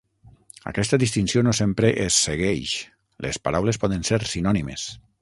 Aquesta distinció no sempre es segueix: les paraules poden ser sinònimes.